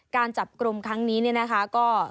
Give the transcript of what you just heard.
การจับกลุ่มครั้งนี้เนี่ยนะคะก็